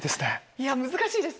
いや難しいですね。